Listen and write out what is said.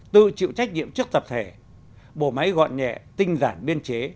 tự chịu trách nhiệm trước tập thể bộ máy gọn nhẹ tinh giản biên chế